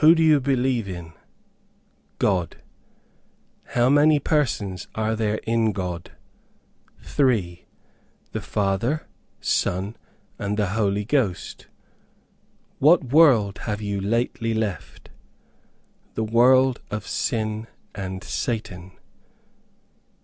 "Who do you believe in?" "God." "How many persons are there in God?" "Three; the Father, Son, and Holy Ghost." "What world have you lately left?" "The world of sin and Satan."